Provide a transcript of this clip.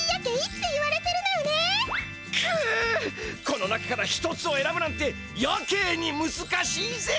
この中から一つをえらぶなんてやけにむずかしいぜ！